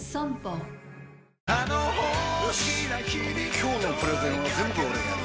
今日のプレゼンは全部俺がやる！